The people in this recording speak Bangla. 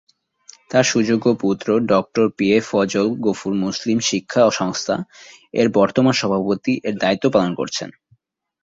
তার সুযোগ্য পুত্র ডঃ পি এ ফজল গফুর মুসলিম শিক্ষা সংস্থা এর বর্তমান সভাপতি এর দায়িত্ব পালন করছেন।